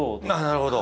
なるほど。